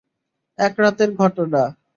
এক রাতের ঘটনা।